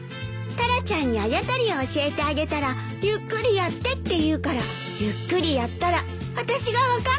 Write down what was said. タラちゃんにあや取りを教えてあげたらゆっくりやってって言うからゆっくりやったらあたしが分かんなくなっちゃった。